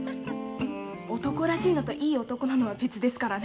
男らしいのといい男なのは別ですからね。